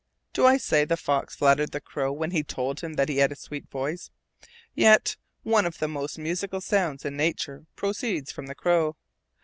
Do I say the fox flattered the crow when he told him he had a sweet voice? Yet one of the most musical sounds in nature proceeds from the crow.